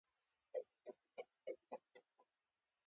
د بدخشان په جرم کې د سرو زرو نښې شته.